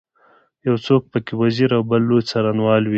یو څوک په کې وزیر او بل لوی څارنوال وي.